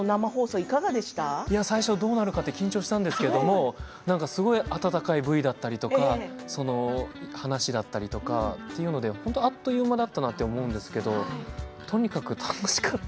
最初どうなるか緊張したんですけどすごい温かいＶＴＲだったり話だったりというので本当にあっという間だったと思うんですけどとにかく楽しかった。